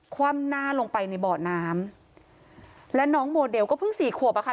คว่ำหน้าลงไปในเบาะน้ำและน้องโมเดลก็เพิ่งสี่ขวบอะค่ะ